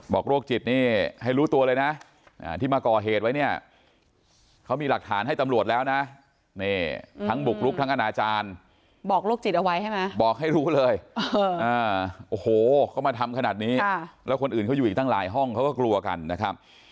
โรคจิตนี่ให้รู้ตัวเลยนะที่มาก่อเหตุไว้เนี่ยเขามีหลักฐานให้ตำรวจแล้วนะนี่ทั้งบุกลุกทั้งอนาจารย์บอกโรคจิตเอาไว้ใช่ไหมบอกให้รู้เลยโอ้โหเขามาทำขนาดนี้แล้วคนอื่นเขาอยู่อีกตั้งหลายห้องเขาก็กลัวกันนะครับ